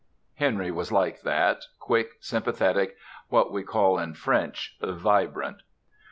Henry was like that, quick, sympathetic, what we call in French "vibrant."